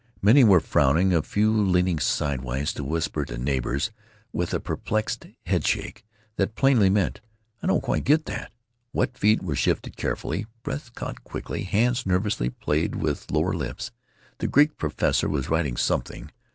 Many were frowning; a few leaning sidewise to whisper to neighbors, with a perplexed head shake that plainly meant, "I don't quite get that." Wet feet were shifted carefully; breaths caught quickly; hands nervously played with lower lips. The Greek professor was writing something.